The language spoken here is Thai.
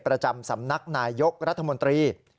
ประจำสำนักนายยกรัฐมนตรี